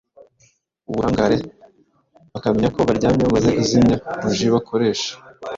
uburangare bakamenya ko baryamye bamaze kuzimya buji bakoresha